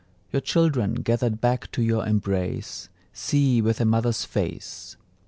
Your children gathered back to your embrace See with a mother's face.